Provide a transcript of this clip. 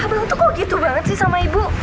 aduh tuh kok gitu banget sih sama ibu